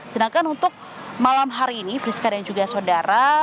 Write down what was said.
sedangkan untuk malam hari ini friska dan juga saudara